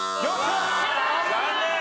残念！